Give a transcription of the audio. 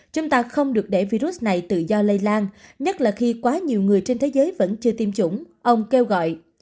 chúng ta không được để virus này tự do lây lan nhất là khi quá nhiều người trên thế giới vẫn chưa tiêm chủng ông kêu gọi